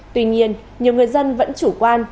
tuy nhiên nhiều người dân vẫn chủ quan